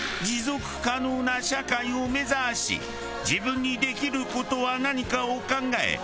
持続可能な社会を目指し自分にできる事は何かを考え